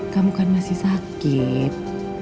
kamu kan masih sakit